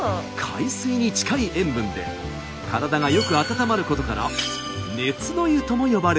海水に近い塩分で体がよく温まることから「熱の湯」とも呼ばれています。